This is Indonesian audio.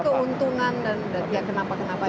itu apa keuntungan dan kenapa kenapanya